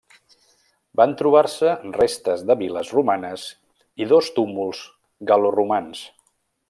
Van trobar-se restes de vil·les romanes i dos túmuls gal·loromans.